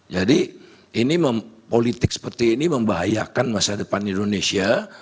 jadi politik seperti ini membahayakan masa depan indonesia